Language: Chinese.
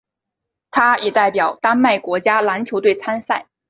他也代表丹麦国家篮球队参赛。